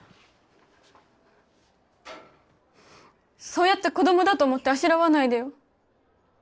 そうやって子どもだと思ってあしらわないでよ。